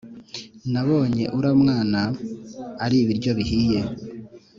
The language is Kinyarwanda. nabonye uramwana ari ibiryo bihiye”